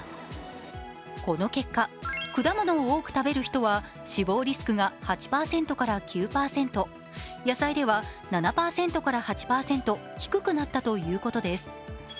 この結果、果物を多く食べる人は死亡リスクが８９％野菜では７８％低くなったということです。